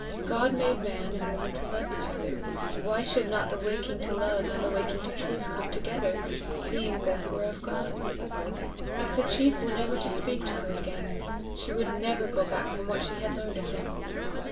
God made man and woman to love each other: why should not the waking to love and the waking to truth come together, seeing both were of God? If the chief were never to speak to her again, she would never go back from what she had learned of him!